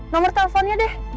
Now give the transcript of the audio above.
nomor teleponnya deh